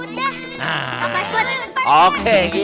siapa yang mau ikut